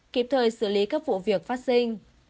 kịp thời xử lý các vụ việc phát sinh